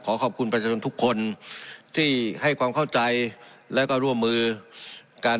ขอบคุณประชาชนทุกคนที่ให้ความเข้าใจแล้วก็ร่วมมือกัน